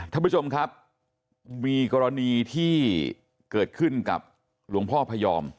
ท่านผู้ชมครับมีกรณีที่เกิดขึ้นกับหลวงพ่อพยอม